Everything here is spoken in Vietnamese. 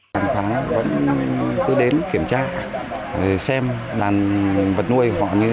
hàng tháng vẫn cứ đến kiểm tra xem đàn vật nuôi